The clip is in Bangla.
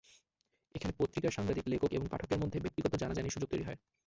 এখানে পত্রিকার সাংবাদিক, লেখক এবং পাঠকের মধ্যে ব্যক্তিগত জানাজানির সুযোগ তৈরি হয়।